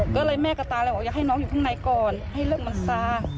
ก็เลยแม่กับตาเลยบอกอยากให้น้องอยู่ข้างในก่อนให้เรื่องมันซา